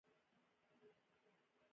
د چین بازار ته لاسرسی مهم دی